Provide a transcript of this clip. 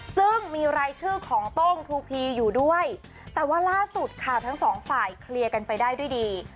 ซึ่งมีรายชื่อของโต้งทูพีอยู่ด้วยแต่ว่าล่าสุดค่ะทั้งสองฝ่ายเคลียร์กันไปได้ด้วยดี